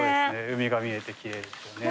海が見えてきれいですよね。